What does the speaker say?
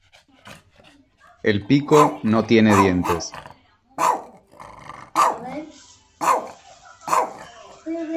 El pico no tiene dientes.